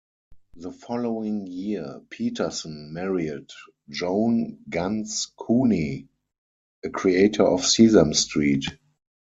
The following year, Peterson married Joan Ganz Cooney, a creator of Sesame Street.